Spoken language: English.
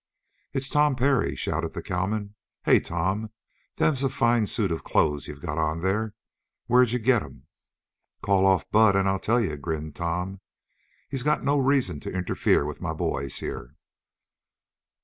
"It's Tom Parry," shouted the cowmen. "Hey, Tom! Them's a fine suit of clothes you've got on there. Where'd you get them?" "Call off Bud and I'll tell you," grinned Tom, "He's got no reason to interfere with my boys here."